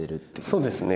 そうですね。